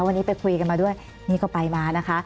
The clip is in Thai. วันนี้ไปคุยกันมาด้วยนี่ก็ไปมานะคะ